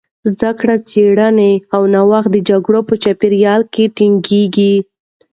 زدهکړه، څېړنه او نوښت د جګړې په چاپېریال کې ټکنۍ کېږي.